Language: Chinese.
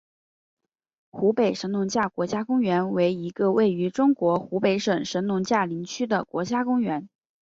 湖北神农架国家公园为一个位于中国湖北省神农架林区的国家公园。